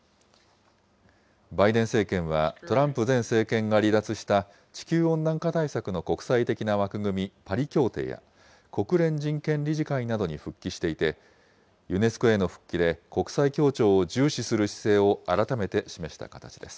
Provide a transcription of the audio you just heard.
バイデン政権はトランプ前政権が離脱した地球温暖化対策の国際的な枠組み、パリ協定や、国連人権理事会などに復帰していて、ユネスコへの復帰で国際協調を重視する姿勢を改めて示した形です。